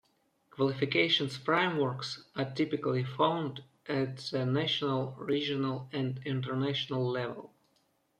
Qualifications Frameworks are typically found at the National, Regional, and International level.